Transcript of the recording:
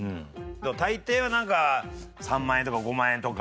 でも大抵はなんか３万円とか５万円とか。